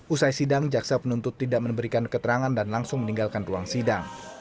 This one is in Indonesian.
usai sidang jaksa penuntut tidak memberikan keterangan dan langsung meninggalkan ruang sidang